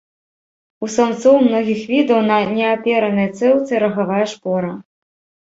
У самцоў многіх відаў на неаперанай цэўцы рагавая шпора.